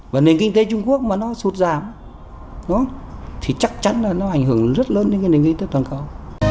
và nền kinh tế trung quốc mà nó sụt giảm thì chắc chắn là nó ảnh hưởng rất lớn đến cái nền kinh tế toàn cầu